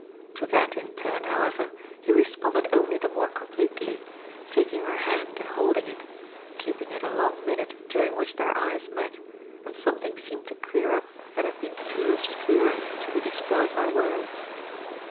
To that in turn, however, he responded only the more completely, taking her hand and holding it, keeping it a long minute during which their eyes met and something seemed to clear up that had been too obscure to be dispelled by words.